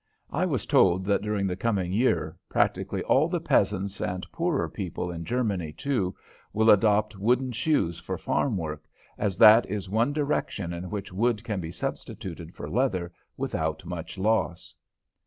I was told that during the coming year practically all the peasants and poorer people in Germany, too, will adopt wooden shoes for farm work, as that is one direction in which wood can be substituted for leather without much loss.